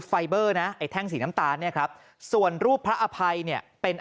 ไฟเบอร์นะไอ้แท่งสีน้ำตาลเนี่ยครับส่วนรูปพระอภัยเนี่ยเป็น